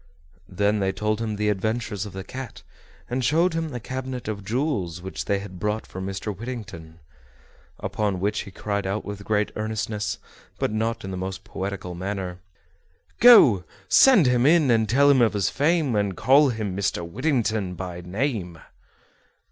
Then they told him the adventures of the cat, and showed him the cabinet of jewels which they had brought for Mr. Whittington. Upon which he cried out with great earnestness, but not in the most poetical manner: "Go, send him in, and tell him of his fame, And call him Mr. Whittington by name."